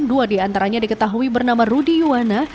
dua di antaranya diketahui bernama rudy yuwana